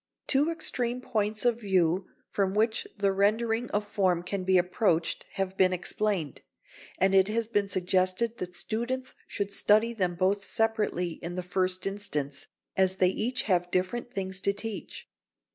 ] Two extreme points of view from which the rendering of form can be approached have been explained, and it has been suggested that students should study them both separately in the first instance, as they each have different things to teach.